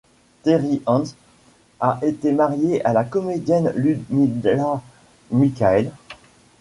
Terry Hands a été marié à la comédienne Ludmila Mikaël.